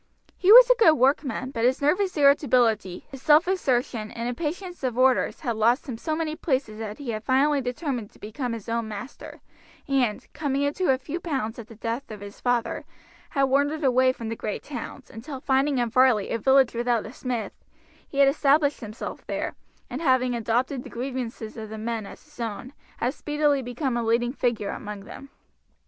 He was a good workman, but his nervous irritability, his self assertion, and impatience of orders had lost him so many places that he had finally determined to become his own master, and, coming into a few pounds at the death of his father, had wandered away from the great towns, until finding in Varley a village without a smith, he had established himself there, and having adopted the grievances of the men as his own, had speedily become a leading figure among them.